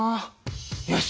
よし。